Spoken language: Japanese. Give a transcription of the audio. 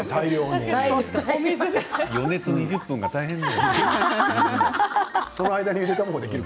予熱２０分が大変だよ。